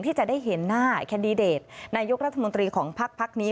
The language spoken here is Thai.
ที่จะได้เห็นหน้าแคนดิเดตนายกรัฐมนตรีของพักนี้